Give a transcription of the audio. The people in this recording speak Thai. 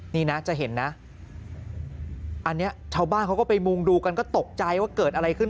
นี่นะจะเห็นนะอันนี้ชาวบ้านเขาก็ไปมุงดูกันก็ตกใจว่าเกิดอะไรขึ้น